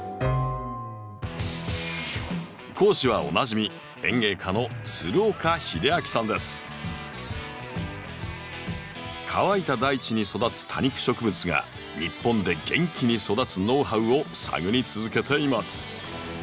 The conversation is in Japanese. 講師はおなじみ乾いた大地に育つ多肉植物が日本で元気に育つノウハウを探り続けています。